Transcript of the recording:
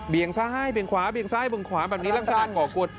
เบียงซ้ายเบียงขวาเบียงซ้ายเบียงขวาแบบนี้ร่างการก่อกวด